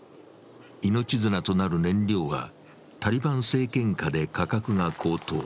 命綱となる燃料はタリバン政権下で価格が高騰。